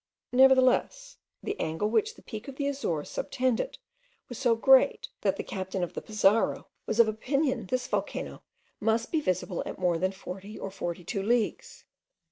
Nevertheless, the angle which the peak of the Azores subtended was so great, that the captain of the Pizarro was of opinion this volcano must be visible at more than 40 or 42 leagues.